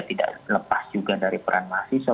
tidak lepas juga dari peran mahasiswa